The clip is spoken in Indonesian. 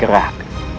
dan akan bergerak